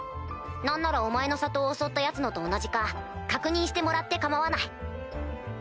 何ならお前の里を襲ったヤツのと同じか確認してもらってかまわない。